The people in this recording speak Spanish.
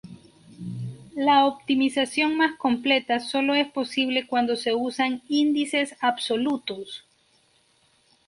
La optimización más completa sólo es posible cuando se usan índices absolutos.